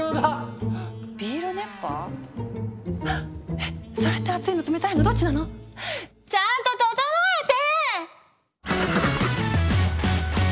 えっそれって熱いの冷たいのどっちなの⁉ちゃんとととのえて！